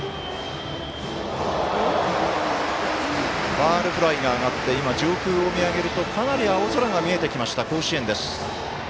ファウルフライが上がって上空を見上げるとかなり青空が見えてきました甲子園です。